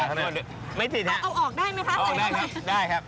เอาออกได้ครับ